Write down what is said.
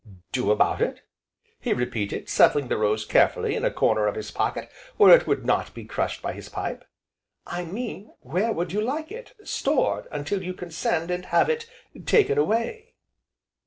"Do about it?" he repeated, settling the rose carefully in a corner of his pocket where it would not be crushed by his pipe. "I mean where would you like it stored until you can send, and have it taken away?"